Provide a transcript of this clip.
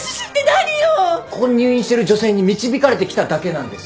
ここに入院してる女性に導かれて来ただけなんです。